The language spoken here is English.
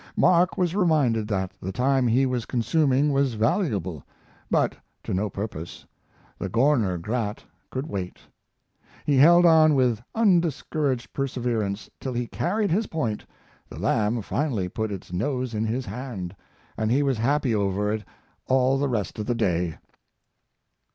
Mark was reminded that the time he was consuming was valuable but to no purpose. The Gorner Grat could wait. He held on with undiscouraged perseverance till he carried his point: the lamb finally put its nose in his hand, and he was happy over it all the rest of the day.